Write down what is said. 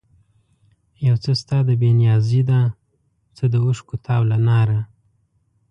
یو څه ستا د بې نیازي ده، څه د اوښکو تاو له ناره